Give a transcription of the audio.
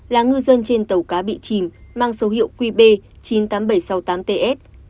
là ngư dân trên tàu cá bị chìm mang số hiệu qb chín mươi tám nghìn bảy trăm sáu mươi tám ts